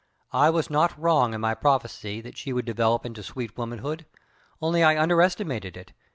I was not wrong in my prophecy that she would develop into sweet womanhood, only I underestimated it.